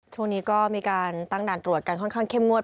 ช่วงนี้ก็มีการตั้งด่านตรวจกันค่อนข้างเข้มงวด